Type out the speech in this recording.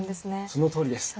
そのとおりです！